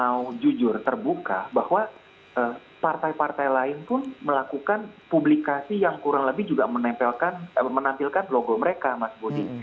mau jujur terbuka bahwa partai partai lain pun melakukan publikasi yang kurang lebih juga menampilkan logo mereka mas budi